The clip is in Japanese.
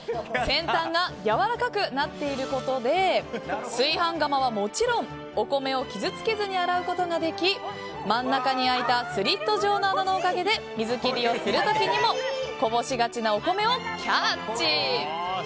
先端がやわらかくなっていることで炊飯釜はもちろんお米を傷つけずに洗うことができ真ん中に開いたスリット状の穴のおかげで水切りをする時にもこぼしがちなお米をキャッチ！